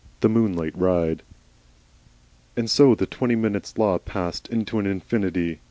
THE MOONLIGHT RIDE And so the twenty minutes' law passed into an infinity.